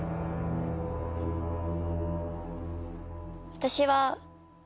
私は。